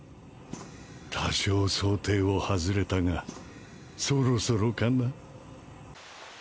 多少想定を外れたがそろそろかな